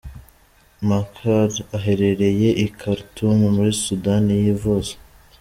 Machar aherereye i Khartoum muri Sudani yivuza.